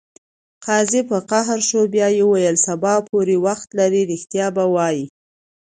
قاضي په قهر شو بیا یې وویل: سبا پورې وخت لرې ریښتیا به وایې.